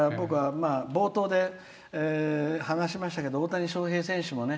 冒頭で話しましたが大谷翔平選手もね